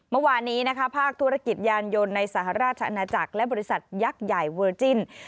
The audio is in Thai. เมื่อวานนี้นะคะภาคธุรกิจยานยนต์ในสหราชอาณาจักรและบริษัทยักษ์ใหญ่เวอร์จิ้น